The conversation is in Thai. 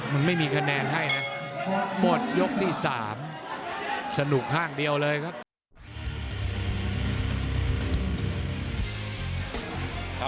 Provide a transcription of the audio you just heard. มันไม่มีคะแนนให้นะ